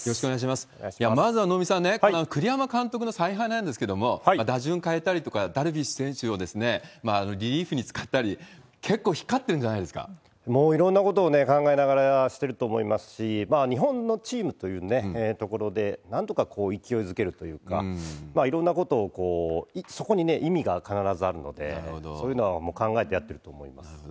まずは能見さん、栗山監督の采配なんですけれども、打順変えたりとか、ダルビッシュ選手をリリーフに使ったり、結構光ってるんじゃないもういろんなことを考えながらしてると思いますし、日本のチームというところで、なんとか勢いづけるっていうか、いろんなことをこう、そこに意味が必ずあるので、そういうのは考えてやってると思います。